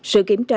sự kiểm tra